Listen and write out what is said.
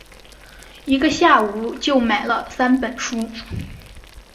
一个下午就买了三本书